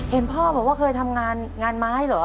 เห็นพ่อบอกว่าเคยทำงานงานไม้เหรอ